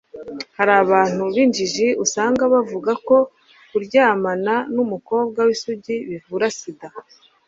hari abantu b'injiji usanga bavuga ko kuryamana n'umukobwa w'isugi bivura sida